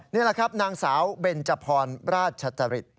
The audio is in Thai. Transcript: นี่แหละครับนางสาวเบนจพรราชจริต